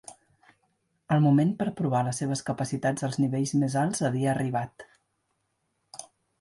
El moment per provar les seves capacitats als nivells més alts havia arribat.